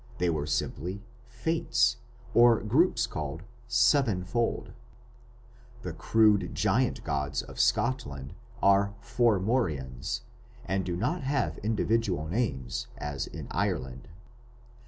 They were simply "Fates" or groups called "Sevenfold". The crude giant gods of Scotland are "Fomhairean" (Fomorians), and do not have individual names as in Ireland.